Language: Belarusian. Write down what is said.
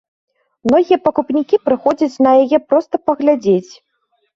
Многія пакупнікі прыходзяць на яе проста паглядзець.